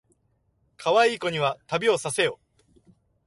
かわいい子には旅をさせよ